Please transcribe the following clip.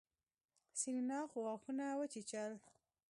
سېرېنا غاښونه وچيچل.